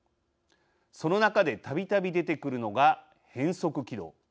その中で、たびたび出てくるのが変則軌道。